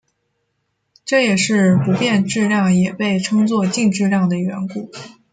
这也是不变质量也被称作静质量的缘故。